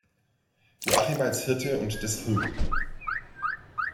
Joachim als Hirte und des Hl.